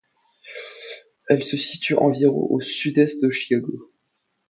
Elle se situe à environ au sud-est de Chicago.